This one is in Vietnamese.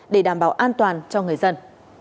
để đảm bảo an toàn cho người dân